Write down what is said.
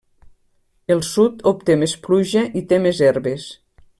El sud obté més pluja i té més herbes.